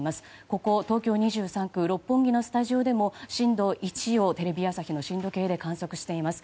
ここ東京２３区六本木のスタジオでも震度１をテレビ朝日の震度計で観測しています。